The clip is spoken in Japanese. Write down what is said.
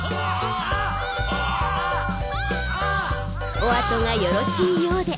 おあとがよろしいようで。